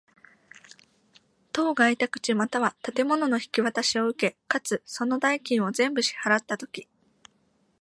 当該宅地又は建物の引渡しを受け、かつ、その代金の全部を支払つたとき。